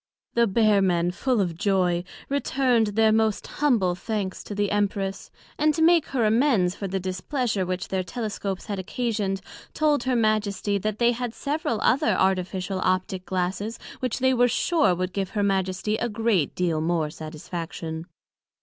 The Bear men, full of joy, returned their most humble thanks to the Empress; and to make her amends for the displeasure which their Telescopes had occasioned, told her Majesty, that they had several other artificial Optick Glasses, which they were sure would give her Majesty a great deal more satisfaction.